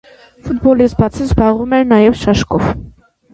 Ֆուտբոլից բացի զբաղվում էր նաև շաշկով։